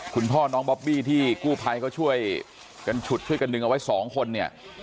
คุณพ่อน้องบอบบี้ที่กู้ภัยเขาช่วยกันฉุดช่วยกันดึงเอาไว้สองคนเนี่ย